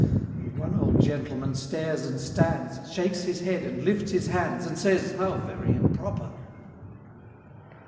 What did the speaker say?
And one old gentleman stares and stands, Shakes his head and lifts his hands, And says, "How very improper!"